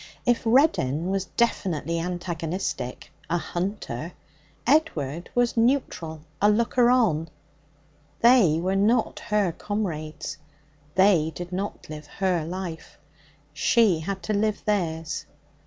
If Reddin was definitely antagonistic, a hunter, Edward was neutral, a looker on. They were not her comrades. They did not live her life. She had to live theirs.